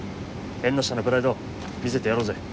縁の下のプライド見せてやろうぜ。